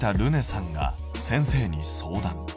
さんが先生に相談。